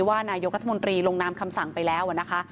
ว่านายกรัฐมนตรีลงนามคำสั่งไปแล้วนะคะ